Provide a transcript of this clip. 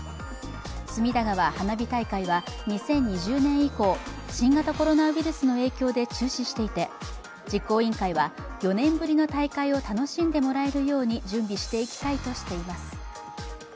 隅田川花火大会は２０２０年以降新型コロナウイルスの影響で中止していて実行委員会は４年ぶりの大会を楽しんでもらえるように準備していきたいとしています。